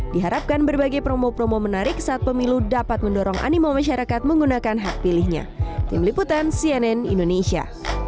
diharapkan berbagai promo promo menarik saat pemilu dapat mendorong animo masyarakat menggunakan hak pilihnya